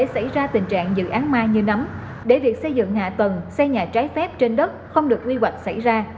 cái dựng hạ tầng xây nhà trái phép trên đất không được quy hoạch xảy ra